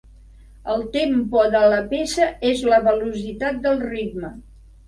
El tempo de la peça és la velocitat del ritme.